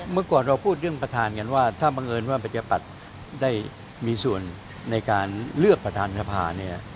เมื่อก่อนเราพูดเรื่องประธานกันว่าถ้าบังเอิญว่าประชาปัตย์ได้มีส่วนในการเลือกประธานสภาเนี่ย